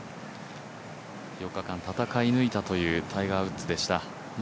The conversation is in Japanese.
４日間戦い抜いたというタイガー・ウッズでした。